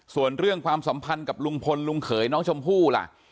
ส่วนเรื่องความสัมพันธ์กับลุงพลลุงเขยน้องชมพู่ล่ะ